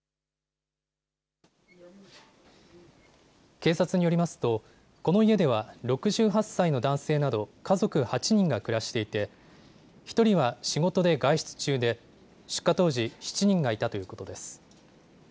警察によりますとこの家では６８歳の男性など家族８人が暮らしていて１人は仕事で外出中で出火当時、７人がいたということです。